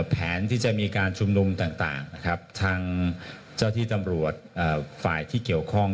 แผนที่จะมีการชุมนุมต่างนะครับทางเจ้าที่ตำรวจฝ่ายที่เกี่ยวข้อง